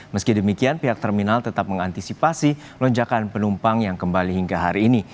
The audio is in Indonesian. meski demikian pihak terminal tetap mengantisipasi lonjakan penumpang yang kembali hingga hari ini